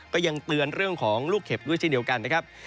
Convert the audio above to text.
ก็ยังเตือนเรื่องของลูกเข็บด้วยเฉยเดียวกัน